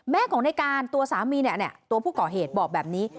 ของในการตัวสามีเนี่ยตัวผู้ก่อเหตุบอกแบบนี้